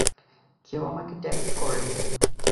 কেউ আমাক টেক্সট করেনি।